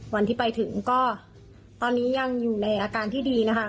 วันที่ไปถึงก็ตอนนี้ยังอยู่ในอาการที่ดีนะคะ